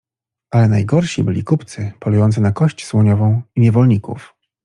Ale najgorsi byli kupcy polujący na kość słoniową i niewolników.